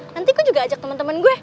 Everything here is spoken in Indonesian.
nanti gue juga ajak temen temen gue